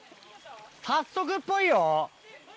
早速っぽいよ。